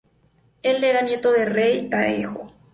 Él era nieto del Rey Taejo.